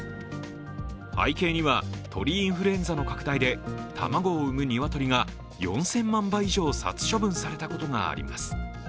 背景には、鳥インフルエンザの拡大で卵を産む鶏が４０００万羽以上殺処分されたことがあります。